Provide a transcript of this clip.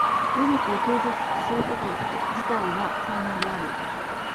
努力を継続すること自体が才能である。